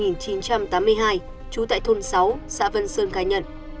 sinh năm một nghìn chín trăm tám mươi hai trú tại thôn sáu xã vân sơn khai nhận